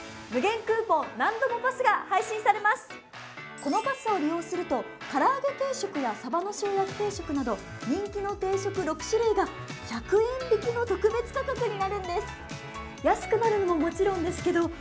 このパスを利用するとから揚げ定食やサバの塩焼定食など人気の定食６種類が１００円引きの特別価格になるんです